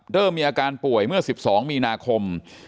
เริ่มมีอาการป่วยเมื่อ๑๒มีนาคม